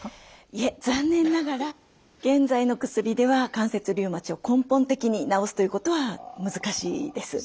いえ残念ながら現在の薬では関節リウマチを根本的に治すということは難しいです。